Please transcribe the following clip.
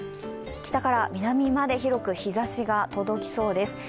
北から南まで広く日ざしが届きそうです。